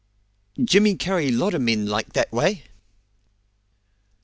"Jimmy carry lot o' men like that way!"